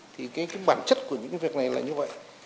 thì cái bản chất của những việc này là như vậy